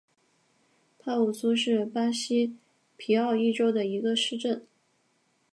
帕武苏是巴西皮奥伊州的一个市镇。